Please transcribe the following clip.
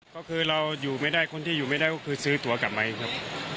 ก็คือเราอยู่ไม่ได้คนที่อยู่ไม่ได้ก็คือซื้อตัวกลับไปครับ